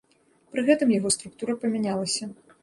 Пры гэтым яго структура памянялася.